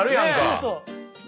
そうそう。